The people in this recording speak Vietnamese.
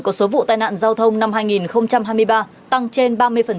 có số vụ tai nạn giao thông năm hai nghìn hai mươi ba tăng trên ba mươi